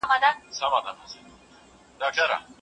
غریب سړی پر لاري تلم ودي ویشتمه